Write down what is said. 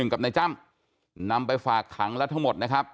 ใน๑กับในจ้ำนำไปฝากถังและทั้งหมดนะครับ